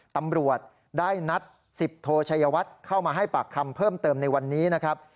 ตำรวจได้นัด๑๐โทชัยวัฒน์เข้ามาให้ปากคำเพิ่มเติมในวันนี้นะครับ